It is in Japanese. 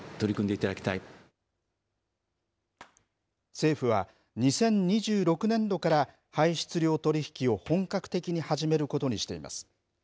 政府は２０２６年度から排出量取引を本格的に始めることにしています。